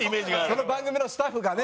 その番組のスタッフがね